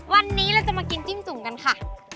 วันนี้เราจะมากินจิ้มจุ่มกันค่ะ